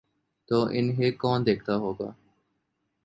تو انہیں کون دیکھتا ہو گا؟